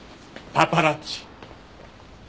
パパラッチ？